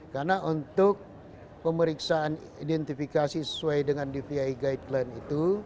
karena untuk pemeriksaan identifikasi sesuai dengan dvi guideline itu